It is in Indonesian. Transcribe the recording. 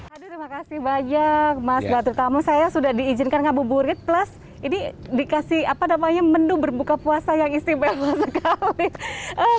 aduh terima kasih banyak mas badrut tamu saya sudah diizinkan ngabuburit plus ini dikasih apa namanya menu berbuka puasa yang istimewa sekali